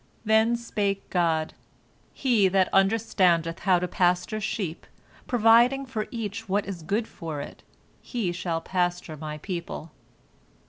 Then spake God, "He that understandeth how to pasture sheep, providing for each what is good for it, he shall pasture My people."